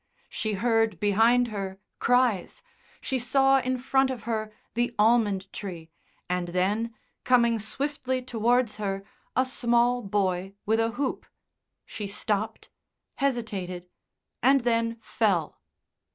She heard behind her cries; she saw in front of her the almond tree, and then coming swiftly towards her a small boy with a hoop.... She stopped, hesitated, and then fell.